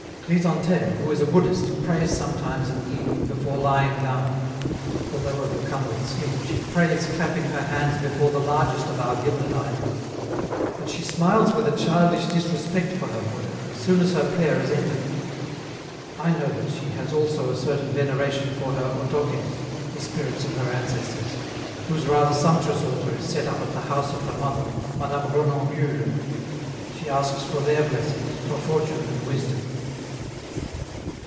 Chrysantheme, who is a Buddhist, prays sometimes in the evening before lying down; although overcome with sleep, she prays clapping her hands before the largest of our gilded idols. But she smiles with a childish disrespect for her Buddha, as soon as her prayer is ended. I know that she has also a certain veneration for her Ottokes (the spirits of her ancestors), whose rather sumptuous altar is set up at the house of her mother, Madame Renoncule. She asks for their blessings, for fortune and wisdom.